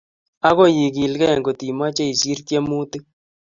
Akoi ikilgei ngot imoche isiir tiemutik